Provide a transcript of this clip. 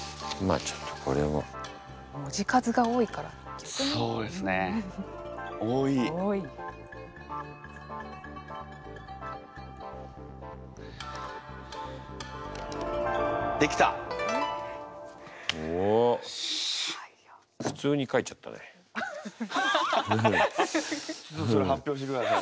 ちょっとそれ発表してください。